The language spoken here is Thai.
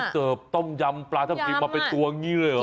เสิร์ฟต้มยำปลาทับทิมมาเป็นตัวนี้เลยเหรอ